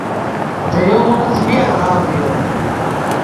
دے یوغون څیمی الغاؤ ڤیو۔